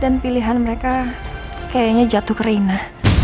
dia mirip banget sama anak kita